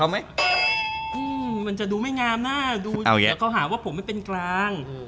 มันจะดูไม่งามหน้า